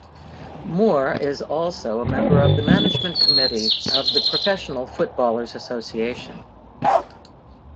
Moore is also a member of the management committee of the Professional Footballers' Association.